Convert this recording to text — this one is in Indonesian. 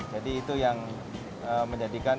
jadi itu yang menjadikan